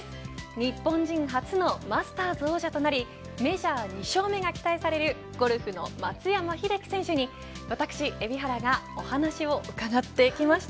日本人初のマスターズ王者となりメジャー２勝目が期待されるゴルフの松山英樹選手に私、海老原がお話を伺ってきました。